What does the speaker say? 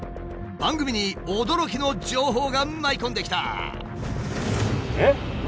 番組に驚きの情報が舞い込んできた。